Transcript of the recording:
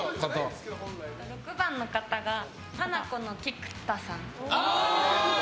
６番の方がハナコの菊田さん。